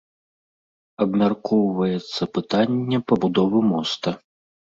Абмяркоўваецца пытанне пабудовы моста.